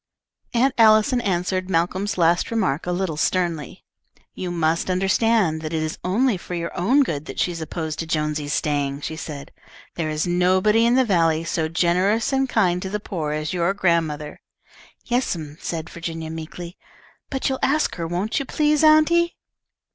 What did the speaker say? Aunt Allison answered Malcolm's last remark a little sternly. "You must understand that it is only for your own good that she is opposed to Jonesy's staying," she said. "There is nobody in the valley so generous and kind to the poor as your grandmother." "Yes'm," said Virginia, meekly, "but you'll ask her, won't you please, auntie?"